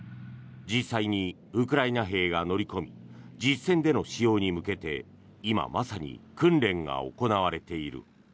実際にウクライナ兵が乗り込み実戦での使用に向けて今まさに訓練が行われている。